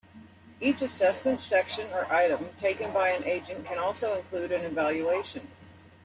Each Assessment, Section, or Item taken by an Agent can also include an "Evaluation".